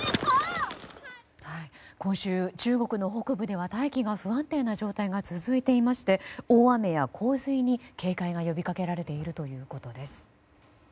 今週、中国の北部では大気が不安定な状態が続いていまして大雨や洪水に警戒が呼びかけられているということです。